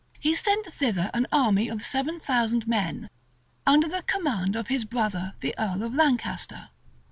He sent thither an army of seven thousand men, under the command of his brother, the earl of Lancaster.